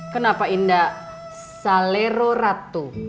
kenapa indah salero ratu